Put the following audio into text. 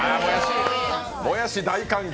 もやし大歓迎！